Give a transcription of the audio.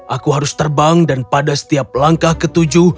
aku harus terbang dan pada setiap langkah ketujuh